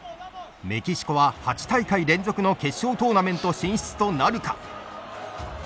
メキシコは８大会連続の決勝トーナメント進出となるか。